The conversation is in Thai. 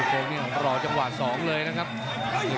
ต้องออกครับอาวุธต้องขยันด้วย